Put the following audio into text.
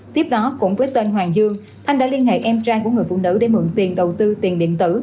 tiếp đó cũng với tên hoàng dương thanh đã liên hệ em trang của người phụ nữ để mượn tiền đầu tư tiền điện tử